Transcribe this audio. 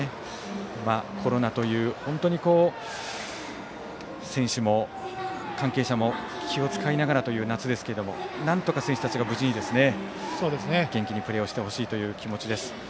コロナという選手も、関係者も気を使いながらという夏ですけどなんとか選手たちが無事に元気にプレーをしてほしいという気持ちです。